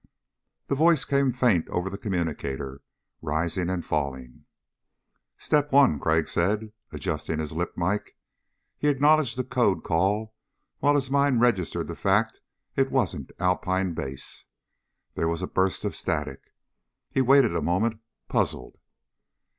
The voice came faint over the communicator, rising and falling. "Step One," Crag said, adjusting his lip mike. He acknowledged the code call while his mind registered the fact it wasn't Alpine Base. There was a burst of static. He waited a moment, puzzled.